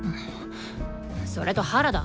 それと原田。